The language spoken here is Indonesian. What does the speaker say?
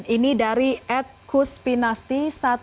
ini dari atkuspinasti seribu tujuh ratus satu